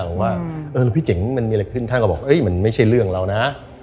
ว่าพี่เจ๋งมันมีอะไรขึ้นท่านก็บอกมันไม่ใช่เรื่องเรานะ